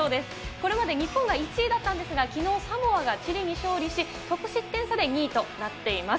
これまで日本が１位だったんですが、きのう、サモアがチリに勝利し、得失点差で２位となっています。